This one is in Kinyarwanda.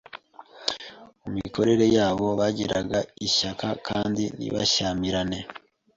Mu mikorere yabo bagiraga ishyaka kandi ntibashyamirane.